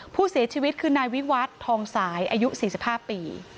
ผู้เสียชีวิตคือนายวิวัฒน์ทองสายอายุ๔๕ปี